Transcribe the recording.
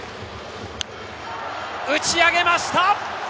打ち上げました。